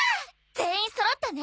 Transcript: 全員そろったね！